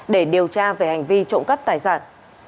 để điều tra về hành vi trộm cắp tài sản